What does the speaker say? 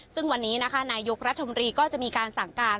ซึ่งวันนี้นะคะนายกรัฐมนตรีก็จะมีการสั่งการ